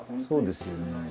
そうですよね。